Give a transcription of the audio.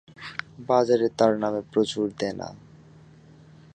বাজারে তার নামে প্রচুর দেনা।